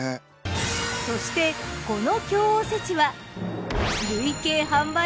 そしてこの京おせちは。